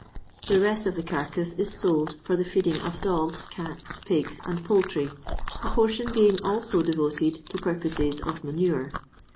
The rest of the carcass is sold .for the feeding of dogs, cats, pigs, and poultry, a portion being also devoted to purposes of manure.